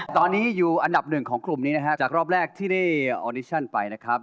ตอนนี้อยู่อันดับหนึ่งของกลุ่มนี้นะฮะจากรอบแรกที่ได้ออดิชั่นไปนะครับ